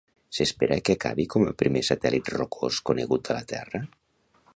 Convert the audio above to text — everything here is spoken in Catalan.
S'espera que acabi com el primer satèl·lit rocós conegut de la Terra?